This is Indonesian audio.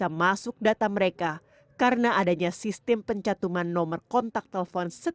ada yang nyerahin tiga ratus dua ratus nya itu nggak ada nomor handphone